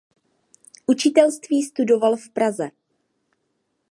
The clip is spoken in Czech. Učitelství studoval v Praze.